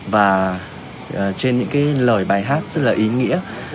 và trên những cái lời bài hát rất là ý nghĩa